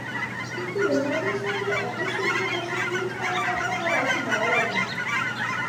কিন্তু রোনালদোর সঙ্গে একই সেলুনে বসে চুল ছাঁটার কথা ভাবা একটু বাড়াবাড়িই।